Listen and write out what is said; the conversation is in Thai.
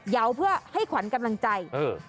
เพื่อให้ขวัญกำลังใจ